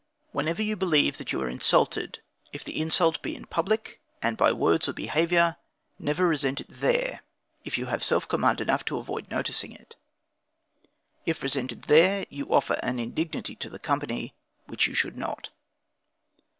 Whenever you believe that you are insulted, if the insult be in public and by words or behavior, never resent it there, if you have self command enough to avoid noticing it. If resented there, you offer an indignity to the company, which you should not.